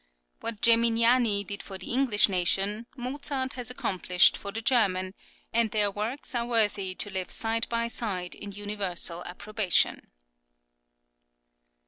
What Geminiani did for the English nation, Mozart has accomplished for the German, and their works are worthy to live side by side in universal approbation."